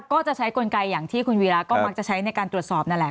ก็จะใช้กลไกอย่างที่คุณวีระก็มักจะใช้ในการตรวจสอบนั่นแหละ